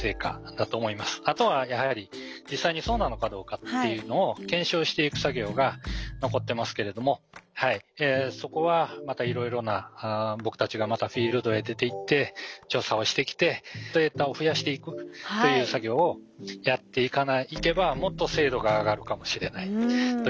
あとはやはり実際にそうなのかどうかっていうのを検証していく作業が残ってますけれどもそこはまたいろいろな僕たちがまたフィールドへ出ていって調査をしてきてデータを増やしていくという作業をやっていけばもっと精度が上がるかもしれないというふうには思います。